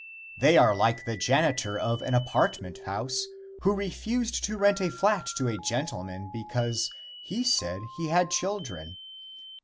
They are like the janitor of an apartment house who refused to rent a flat to a gentleman because he said he had children.